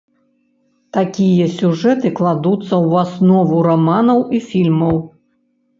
Такія сюжэты кладуцца ў аснову раманаў і фільмаў.